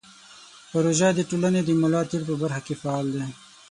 پروژه د ټولنې د ملاتړ په برخه کې فعال دی.